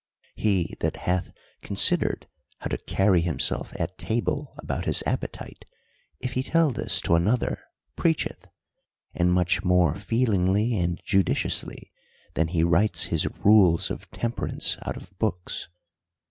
He that hath considered how to carry himself at table about his appetite, if he tell this to another, preacheth ; and much more feel ingly and judiciously, than he writes his rules of tem perance out of books.